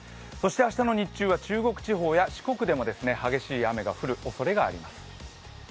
明日の日中は中国地方や四国でも激しい雨が降るおそれがあります。